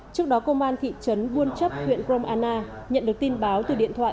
trước đó công an thị trấn buôn chấp huyện gromana nhận được tin báo từ điện thoại